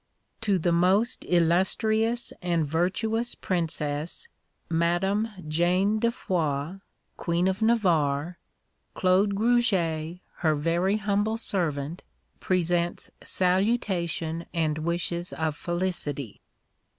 To the most Illustrious and Virtuous Princess, Madame Jane de Foix, Queen of Navarre, Claud Gruget, her very humble servant, presents salutation and wishes of felicity.